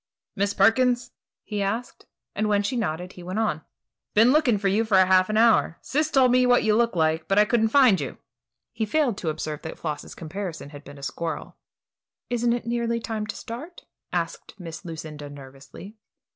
"Miss Perkins?" he asked, and when she nodded, he went on: "Been looking for you for half an hour. Sis told me what you looked like, but I couldn't find you." He failed to observe that Floss's comparison had been a squirrel. "Isn't it nearly time to start?" asked Miss Lucinda, nervously.